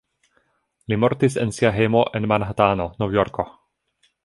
Li mortis en sia hejmo en Manhatano, Novjorko.